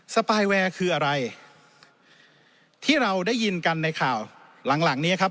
สปายแวร์คืออะไรที่เราได้ยินกันในข่าวหลังหลังเนี้ยครับ